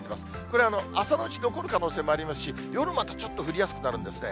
これ、朝のうち残る可能性もありますし、夜またちょっと降りやすくなるんですね。